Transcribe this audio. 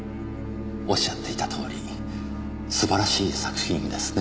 おっしゃっていたとおりすばらしい作品ですね。